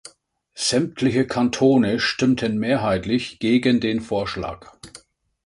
Sämtliche Kantone stimmten mehrheitlich gegen den Vorschlag.